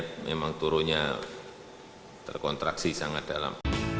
karena memang turunnya terkontraksi sangat dalam